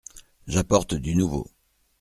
J’apporte du nouveau.